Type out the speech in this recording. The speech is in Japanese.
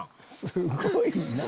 すごいな。